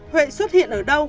huệ xuất hiện ở đâu